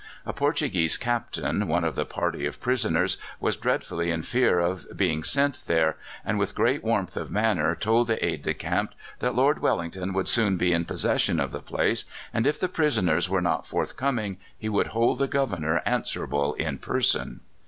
A Portuguese Captain, one of the party of prisoners, was dreadfully in fear of being sent there, and with great warmth of manner told the aide de camp that Lord Wellington would soon be in possession of the place, and if the prisoners were not forthcoming he would hold the Governor answerable in person.